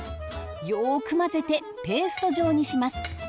よく混ぜてペースト状にします。